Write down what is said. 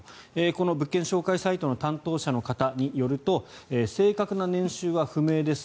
この物件紹介サイトの担当者の方によると正確な年収は不明です。